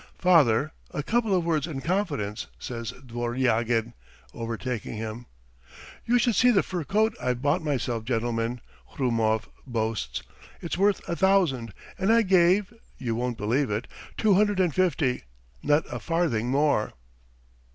"Father, a couple of words in confidence," says Dvornyagin, overtaking him. "You should see the fur coat I've bought myself, gentlemen," Hrumov boasts. "It's worth a thousand, and I gave ... you won't believe it ... two hundred and fifty! Not a farthing more."